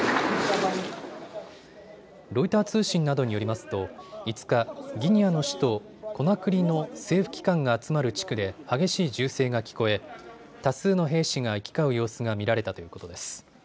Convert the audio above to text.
ロイター通信などによりますと５日、ギニアの首都コナクリの政府機関が集まる地区で激しい銃声が聞こえ多数の兵士が行き交う様子が見られたということです。